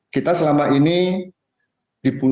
kita selama ini diberikan